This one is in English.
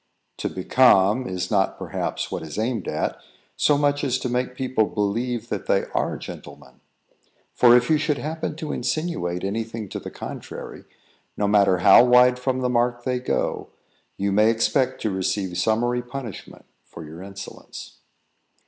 To "become" is not, perhaps, what is aimed at, so much as to make people believe that they are gentlemen; for if you should happen to insinuate any thing to the contrary, no matter how wide from the mark they go, you may expect to receive summary punishment for your insolence.